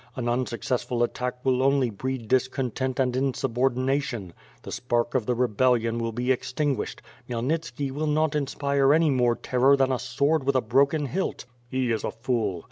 An unsuccessful attack will only breed discontent and insubordination; the spark of the re bellion will be extinguished — Khmyelnitski will not inspire any more terror than a sword with a broken hilt." '''He is a fool."